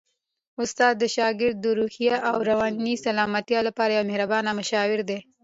استاد د شاګرد د روحي او رواني سلامتیا لپاره یو مهربان مشاور دی.